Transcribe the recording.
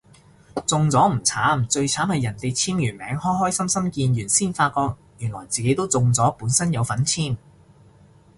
中咗唔慘，最慘係人哋簽完名開開心心見完先發覺原來自己都中咗本身有份簽